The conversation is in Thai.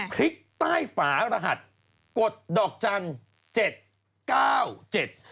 คลิกใต้ฝารหัสกดดอกจันทร์๗๙๗